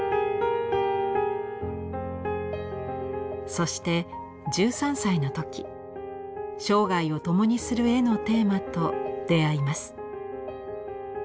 そして１３歳の時生涯を共にする絵のテーマと出会います。